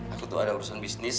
aku tuh ada urusan bisnis